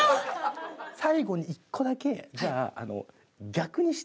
最後に１個だけじゃあ逆にして。